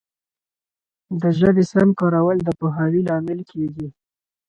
د ژبي سم کارول د پوهاوي لامل کیږي.